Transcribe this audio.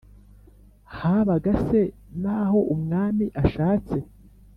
habaga se n’aho umwami ashatse